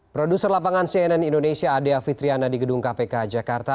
produser lapangan cnn indonesia adea fitriana di gedung kpk jakarta